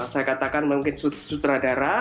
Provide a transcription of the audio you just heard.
saya katakan mungkin sutradara